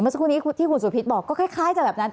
สักครู่นี้ที่คุณสุพิษบอกก็คล้ายจะแบบนั้น